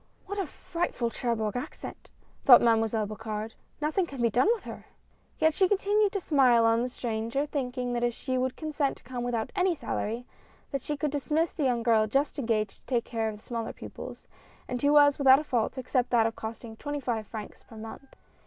"What a frightful Cherbourg accent!" thought Mademoiselle Bocard; "Nothing can be done with her !" Yet she continued to smile on the stranger, thinking that if she would consent to conie without any salary, that she could dismiss the young girl just engaged to take care of the smaller pupils, and who was without a fault, except that of costing twenty five francs per month.